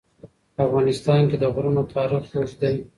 په افغانستان کې د غرونه تاریخ اوږد دی.